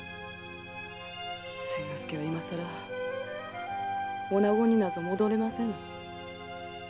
千之助は今更女子になど戻れませぬ。